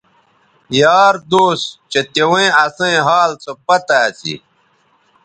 یار دوس چہء تیویں اسئیں حال سو پتہ اسی